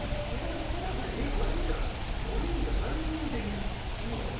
松岡：だって、これ見たら５人がなんにもできない。